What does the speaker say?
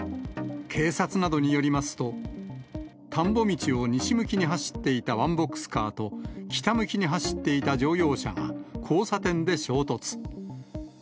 警察などによりますと、田んぼ道を西向きに走っていたワンボックスカーと、北向きに走っていた乗用車が、交差点で衝突。